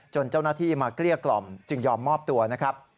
เจ้าหน้าที่มาเกลี้ยกล่อมจึงยอมมอบตัวนะครับ